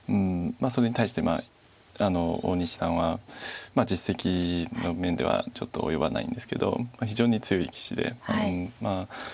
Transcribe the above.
それに対して大西さんは実績の面ではちょっと及ばないんですけど非常に強い棋士で。